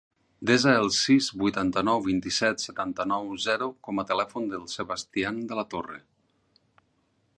Desa el sis, vuitanta-nou, vint-i-set, setanta-nou, zero com a telèfon del Sebastian De La Torre.